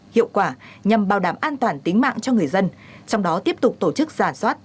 hiệu quả nhằm bảo đảm an toàn tính mạng cho người dân trong đó tiếp tục tổ chức giả soát